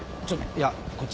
いや。こっち。